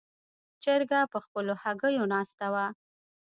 چرګه په خپلو هګیو ناستې وه.